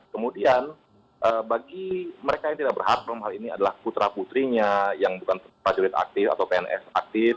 kemudian bagi mereka yang tidak berhak dalam hal ini adalah putra putrinya yang bukan prajurit aktif atau pns aktif